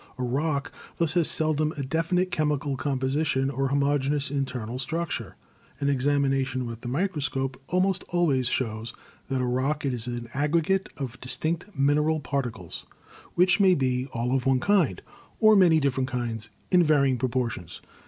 A rock thus has seldom a definite chemical composition or homogeneous internal structure. An examination with the microscope almost always shows that a rock is an aggregate of distinct mineral particles, which may be all of one kind or of many different kinds, in varying proportions.